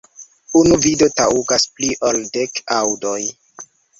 Unu vido taŭgas pli ol dek aŭdoj.